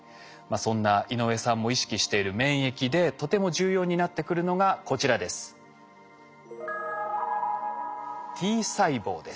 そんな井上さんも意識している免疫でとても重要になってくるのがこちらです。